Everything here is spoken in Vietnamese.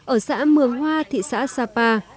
ở xã mường hoa thị xã sapa